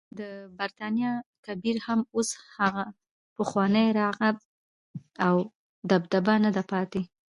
د برټانیا کبیر هم اوس هغه پخوانی رعب او دبدبه نده پاتې.